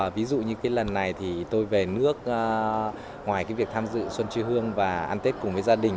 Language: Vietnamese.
ví dụ như cái lần này thì tôi về nước ngoài cái việc tham dự xuân hương và ăn tết cùng với gia đình